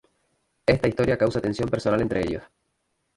Esta historia causa tensión personal entre ellos.